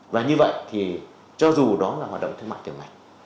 và như vậy cho dù đó là hoạt động thương mại tiểu mạch